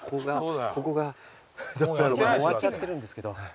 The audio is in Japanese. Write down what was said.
ここが。終わっちゃってるんですけど。